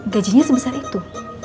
gajinya sebesar itu